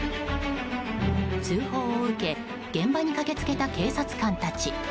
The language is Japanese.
通報を受け現場に駆け付けた警察官たち。